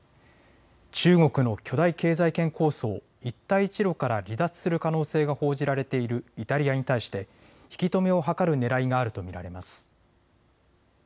中国の巨大経済圏構想、一帯一路から離脱する可能性が報じられているイタリアに対して引き止めを図るねらいがあると見られます。